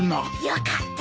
よかった！